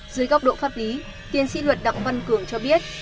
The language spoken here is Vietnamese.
dưới góc độ pháp lý tiên sĩ luật đọng văn cường cho biết